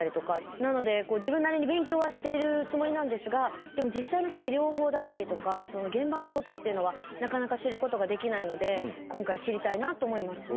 なので自分なりに勉強はしているつもりなんですがでも実際の治療法だったりとか現場のことっていうのはなかなか知ることができないので今回知りたいなと思いますね。